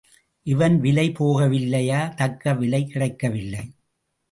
இவள் விலை போகவில்லையா? தக்க விலை கிடைக்கவில்லை.